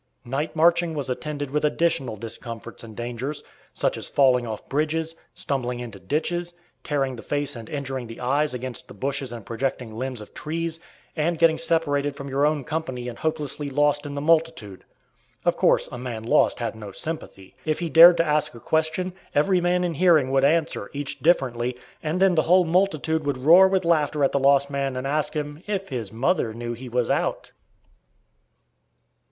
Night marching was attended with additional discomforts and dangers, such as falling off bridges, stumbling into ditches, tearing the face and injuring the eyes against the bushes and projecting limbs of trees, and getting separated from your own company and hopelessly lost in the multitude. Of course, a man lost had no sympathy. If he dared to ask a question, every man in hearing would answer, each differently, and then the whole multitude would roar with laughter at the lost man, and ask him "if his mother knew he was out?"